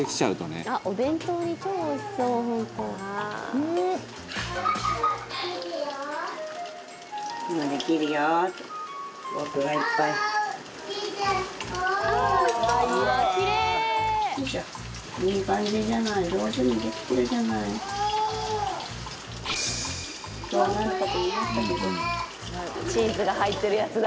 松本：チーズが入ってるやつだ。